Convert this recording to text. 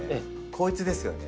こいつですよね。